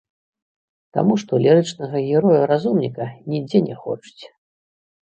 Таму што лірычнага героя-разумніка нідзе не хочуць.